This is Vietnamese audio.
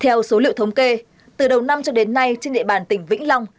theo số liệu thống kê từ đầu năm cho đến nay trên địa bàn tỉnh vĩnh long